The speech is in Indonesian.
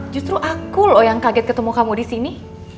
justru aku loh yang kaget ketemu kamu di sini